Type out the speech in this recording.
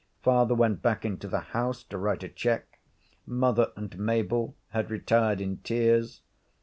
Father went back into the house to write a cheque. Mother and Mabel had retired in tears.